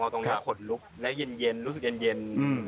พอตรงนี้ขนลุกและยิ้นเย็น